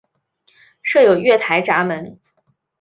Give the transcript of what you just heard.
设有月台闸门。